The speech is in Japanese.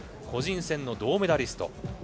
個人戦の銅メダリスト。